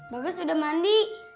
bagas udah mandi